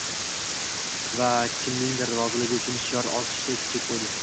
va kimningdir roziligi uchun shior osishga chek qo‘ydi